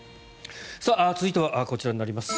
続いては、こちらになります。